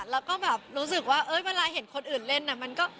แล้วก็แบบรู้สึกว่าเวลาเห็นคนอื่นเล่นมันก็